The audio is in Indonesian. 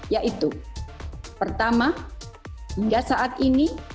yaitu pertama hingga saat ini